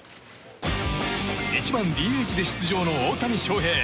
１番ＤＨで出場の大谷翔平。